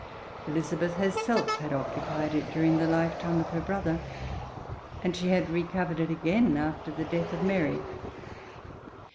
Elizabeth herself had occupied it during the lifetime of her brother, and she had recovered it again after the death of Mary.